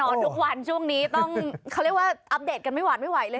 ทุกวันช่วงนี้ต้องเขาเรียกว่าอัปเดตกันไม่หวานไม่ไหวเลย